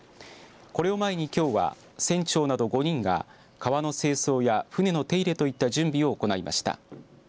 これを前にきょうは船長など５人が川の清掃や船の手入れといった準備を行いました。